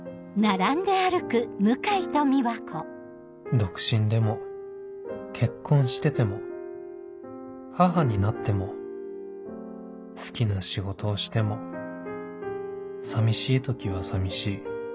「独身でも結婚してても母になっても好きな仕事をしても寂しい時は寂しい」